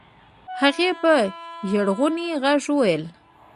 هغې په ژړغوني غږ وويل.